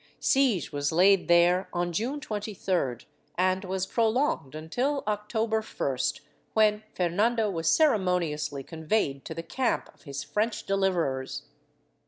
Siege was laid there on June 23d, and was prolonged until October 1st, when Fernando was ceremoniously conveyed to the camp of his French deliverers.